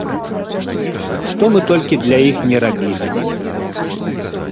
Што мы толькі для іх ні рабілі.